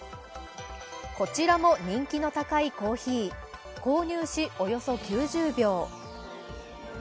こちらも人気の高いコーヒー購入し、およそ９０秒。